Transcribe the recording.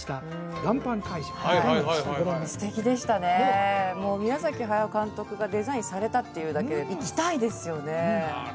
ご覧になって素敵でしたねもう宮崎駿監督がデザインされたっていうだけで行きたいですよね